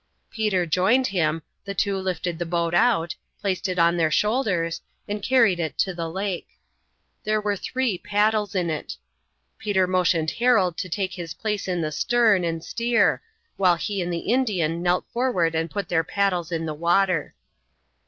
Peter joined him, the two lifted the boat out, placed it on their shoulders, and carried it to the lake. There were three paddles in it. Peter motioned Harold to take his place in the stern and steer, while he and the Indian knelt forward and put their paddles in the water.